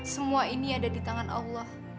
semua ini ada di tangan allah